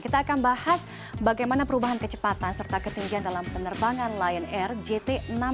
kita akan bahas bagaimana perubahan kecepatan serta ketinggian dalam penerbangan lion air jt enam ratus sepuluh